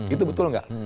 itu betul nggak